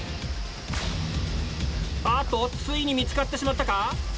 あっとついに見つかってしまったか？